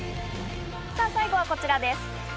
最後はこちらです。